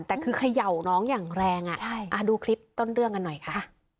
แต่คือเขย่าน้องอย่างแรงดูคลิปต้นเรื่องกันหน่อยค่ะ